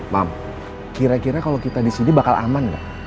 mam kira kira kalau kita di sini bakal aman nggak